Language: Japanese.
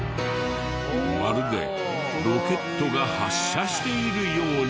まるでロケットが発射しているように。